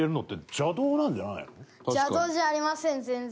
邪道じゃありません全然。